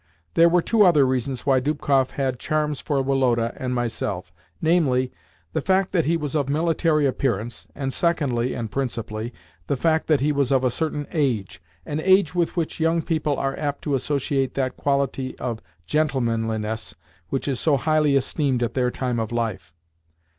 There were two other reasons why Dubkoff had charms for Woloda and myself—namely, the fact that he was of military appearance, and, secondly (and principally), the fact that he was of a certain age—an age with which young people are apt to associate that quality of "gentlemanliness" which is so highly esteemed at their time of life.